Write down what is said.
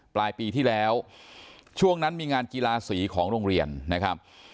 ปลายปีที่แล้วช่วงนั้นมีงานกีฬาสีของโรงเรียนนะครับ